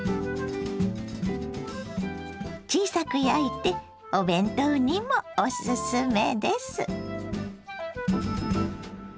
小さく焼いてお弁当にもおすすめです。